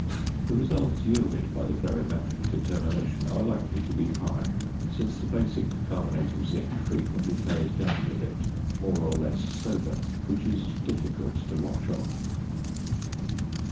The results yielded by the gravimetric determination are likely to be high, since the basic carbonate of zinc frequently carries down with it more or less soda which is difficult to wash off.